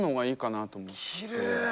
きれい。